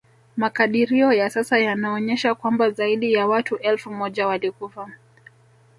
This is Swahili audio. Makadirio ya sasa yanaonyesha kwamba zaidi ya watu elfu moja walikufa